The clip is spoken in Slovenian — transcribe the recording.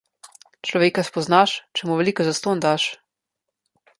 Človeka spoznaš, če mu veliko zastonj daš.